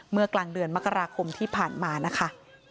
เมื่อกลางเดือนมกราคมที่ผ่านมานะคะ